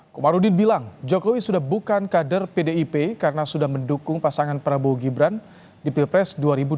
komarudin bilang jokowi sudah bukan kader pdip karena sudah mendukung pasangan prabowo gibran di pilpres dua ribu dua puluh